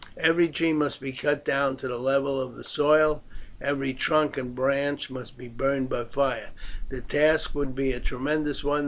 Every tree must be cut down to the level of the soil; every trunk and branch be burnt by fire. The task would be a tremendous one.